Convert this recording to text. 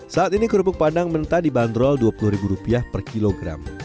saat ini kerupuk padang mentah dibanderol rp dua puluh per kilogram